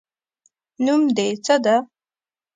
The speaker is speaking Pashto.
نوم دې څه ده؟